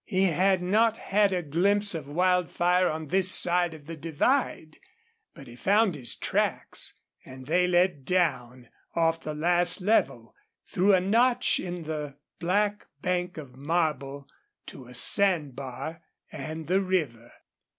He had not had a glimpse of Wildfire on this side of the divide, but he found his tracks, and they led down off the last level, through a notch in the black bank of marble to a sand bar and the river.